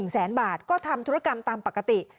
แสนบาทก็ทำธุรกรรมตามปกติ